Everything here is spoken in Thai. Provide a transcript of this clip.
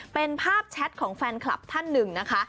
เป็นภาพแชทของแฟนคลับท่านหนึ่งนะคะ